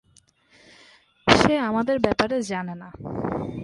সে আমাদের ব্যাপারে জানে না।